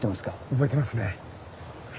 覚えてますね。